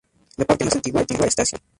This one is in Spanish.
La parte más antigua está hacia el sur.